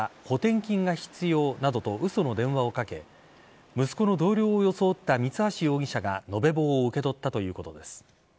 補填金が必要などと嘘の電話をかけ息子の同僚を装った三橋容疑者が延べ棒を受け取ったということです。